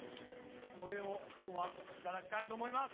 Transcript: これを今日はいただきたいと思います。